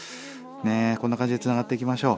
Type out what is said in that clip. こんな感じでつながっていきましょう。